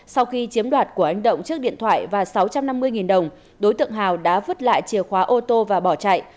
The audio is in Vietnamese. sau khi chiếm đoạt của anh động trước điện thoại và sáu trăm năm mươi đồng đối tượng hào đã vứt lại chìa khóa ô tô và bỏ chạy